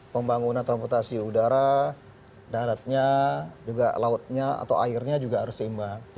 pembangunan transportasi udara daratnya juga lautnya atau airnya juga harus seimbang